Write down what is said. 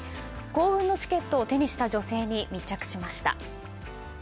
幸運のチケットを手にした女性に密着しました。